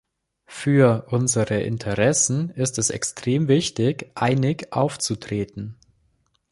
Für unsere Interessen ist es extrem wichtig, einig aufzutreten.